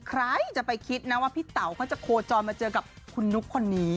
ใครจะไปคิดนะว่าพี่เต๋าเขาจะโคจรมาเจอกับคุณนุ๊กคนนี้